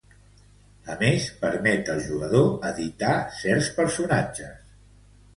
A més, permet al jugador editar certs personatges.